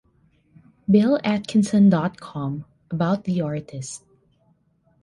BillAtkinson dot com About The Artist.